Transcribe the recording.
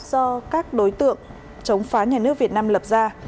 do các đối tượng chống phá nhà nước việt nam lập ra